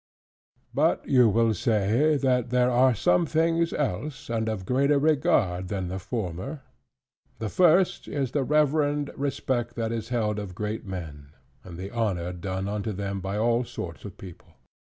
But you will say, that there are some things else, and of greater regard than the former. The first is the reverend respect that is held of great men, and the honor done unto them by all sorts of people.